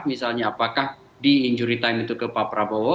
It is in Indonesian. misalnya apakah di injury time itu ke pak prabowo